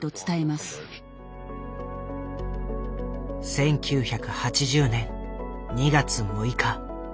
１９８０年２月６日。